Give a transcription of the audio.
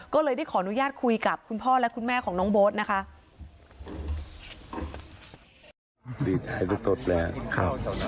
ก็เลยได้ขออนุญาตคุยกับคุณพ่อและคุณแม่ของน้องโบ๊ทนะคะ